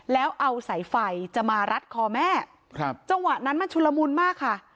แล้วเอาสายไฟจะมารัดคอแม่ครับจังหวะนั้นมันชุลมุนมากค่ะ